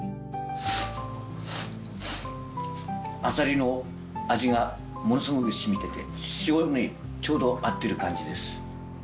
アサリの味がものすごく染みてて塩にちょうど合ってる感じです。